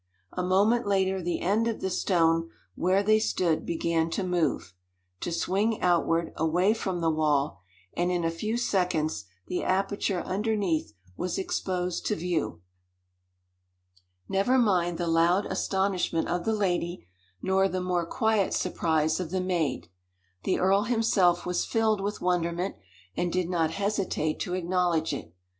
A moment later the end of the stone where they stood began to move to swing outward, away from the wall and in a few seconds the aperture underneath was exposed to view. Never mind the loud astonishment of the lady, nor the more quiet surprise of the maid. The earl himself was filled with wonderment, and did not hesitate to acknowledge it.